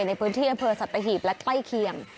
ในพื้นที่อำเภอสัตหีบและใกล้เคียง